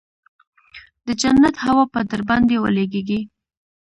د جنت هوا به درباندې ولګېګي.